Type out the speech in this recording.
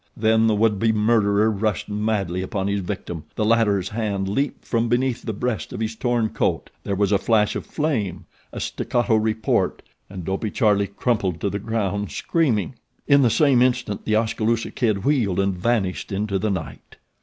Then the would be murderer rushed madly upon his victim, the latter's hand leaped from beneath the breast of his torn coat there was a flash of flame, a staccato report and Dopey Charlie crumpled to the ground, screaming. In the same instant The Oskaloosa Kid wheeled and vanished into the night.